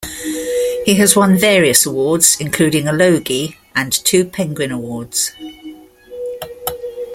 He has won various awards, including a Logie and two Penguin awards.